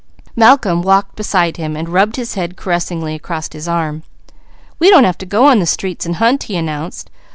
Malcolm walked beside him, rubbing his head caressingly across an arm. "We don't have to go on the streets and hunt," he announced.